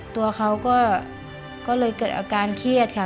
ตัวเขาก็เลยเกิดอาการเครียดค่ะ